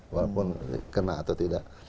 walaupun kena atau tidak